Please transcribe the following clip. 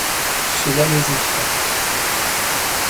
Cela les effraie.